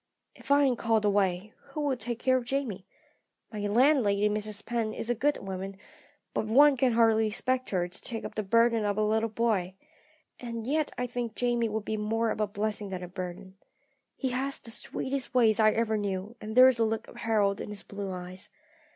"If I am called away, who will take care of Jamie? My landlady, Mrs. Penn, is a good woman, but one can hardly expect her to take up the burden of a little boy. And yet I think Jamie would be more of a blessing than a burden. He has the sweetest ways I ever knew, and there is a look of Harold in his blue eyes.